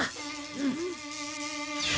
うん。